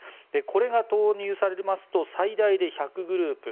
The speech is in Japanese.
これが投入されますと最大で１００グループ